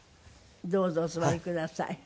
どうぞお座りください。